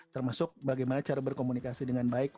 termasuk bagaimana cara berkomunikasi dengan baik